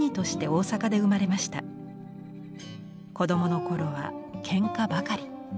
子どもの頃はけんかばかり。